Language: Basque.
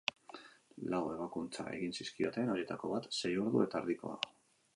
Lau ebakuntza egin zizkioten, horietako bat sei ordu eta erdikoa.